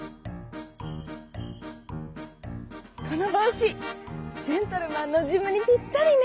「このぼうしジェントルマンのジムにぴったりね」